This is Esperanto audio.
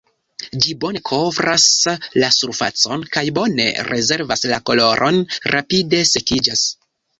Ĝi bone kovras la surfacon kaj bone rezervas la koloron, rapide sekiĝas.